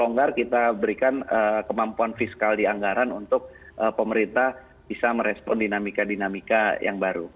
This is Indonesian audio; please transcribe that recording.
longgar kita berikan kemampuan fiskal di anggaran untuk pemerintah bisa merespon dinamika dinamika yang baru